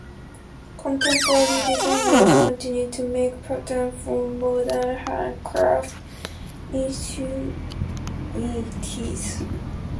Contemporary designers continue to make patterns for modern hand craft enthusiasts.